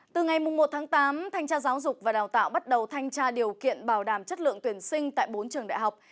từ ngày một tháng tám thanh tra giáo dục và đào tạo bắt đầu thanh tra điều kiện bảo đảm chất lượng tuyển sinh tại bốn trường đại học